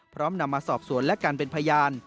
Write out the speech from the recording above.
นำมาสอบสวนและการเป็นพยาน